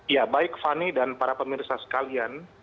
ya baik fani dan para pemirsa sekalian